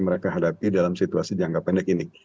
mereka hadapi dalam situasi jangka pendek ini